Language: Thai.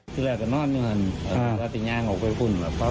ปกติมาบ่อยมั้ยหลวงพ่อ